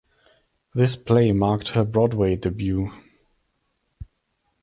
This play marked her Broadway debut.